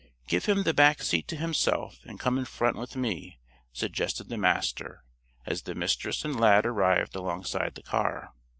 "Give him the back seat to himself, and come in front here with me," suggested the Master, as the Mistress and Lad arrived alongside the car.